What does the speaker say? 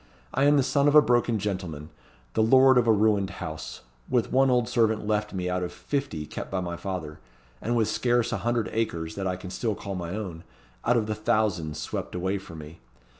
I am the son of a broken gentleman; the lord of a ruined house; with one old servant left me out of fifty kept by my father, and with scarce a hundred acres that I can still call my own, out of the thousands swept away from me.